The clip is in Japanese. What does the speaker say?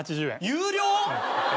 有料！？